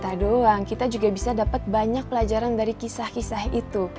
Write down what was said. di sini kita gak cuma cerita doang kita juga bisa dapat banyak pelajaran dari kisah kisah itu